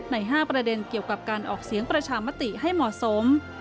ใน๕ประเด็นเกี่ยวกับการออกเสียงประชามติให้เหมาะสม